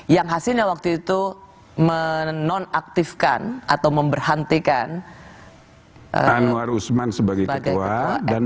yang hasilnya waktu itu menonaktifkan atau memberhentikan anwar usman sebagai ketua dan